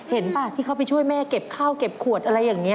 ป่ะที่เขาไปช่วยแม่เก็บข้าวเก็บขวดอะไรอย่างนี้